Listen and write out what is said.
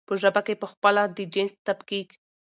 په ژبه کې پخپله د جنس تفکيک